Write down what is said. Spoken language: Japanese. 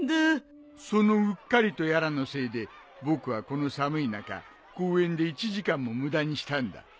そのうっかりとやらのせいで僕はこの寒い中公園で１時間も無駄にしたんだ。